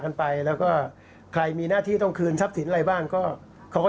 กันไปแล้วก็ใครมีหน้าที่ต้องคืนทรัพย์สินอะไรบ้างก็เขาก็